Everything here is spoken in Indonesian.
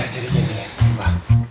jadi gini pa